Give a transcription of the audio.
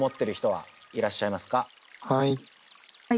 はい。